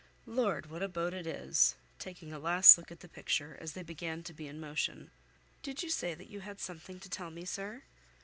Lord! what a boat it is!" taking a last look at the picture, as they began to be in motion. "Did you say that you had something to tell me, sir?"